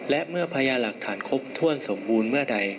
และเมื่อพยานหลักฐานครบถ้วนสมบูรณ์เมื่อใด